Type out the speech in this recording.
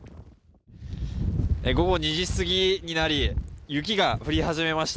午後２時過ぎになり雪が降り始めました。